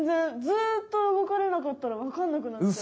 ずっと動かれなかったらわかんなくなっちゃう。